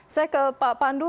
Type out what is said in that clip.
saya ke pak pandu